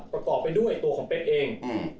ประกอบไปด้วยตัวของเป๊กเอง